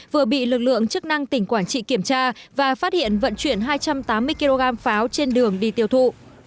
vừa bị lực lượng chức năng tỉnh quảng trị kiểm tra và phát hiện vận chuyển hai trăm tám mươi kg pháo trên đường đi tiêu thụ